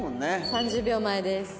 さあ３０秒前です。